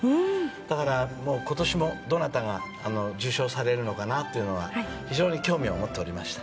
だから今年もどなたが受賞されるのかが非常に興味を持っておりました。